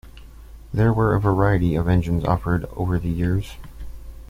There were a variety of engines offered over the years.